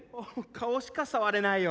顔しか触れないよ。